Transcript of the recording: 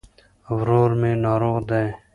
ورور مي ناروغ دي